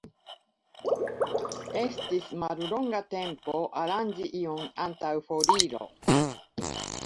Estis mallonga tempo aranĝi ion antaŭ foriro.